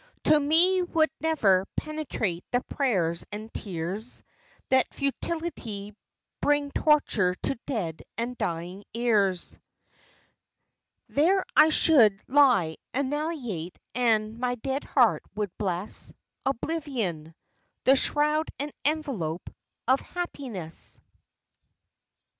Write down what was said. To me would never penetrate the prayers and tears That futilely bring torture to dead and dying ears; There I should lie annihilate and my dead heart would bless Oblivion the shroud and envelope of happiness.